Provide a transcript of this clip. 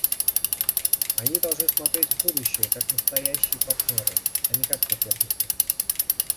Они должны смотреть в будущее как настоящие партнеры, а не как соперники.